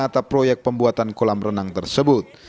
atap proyek pembuatan kolam renang tersebut